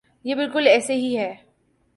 یہ بالکل ایسے ہی ہے۔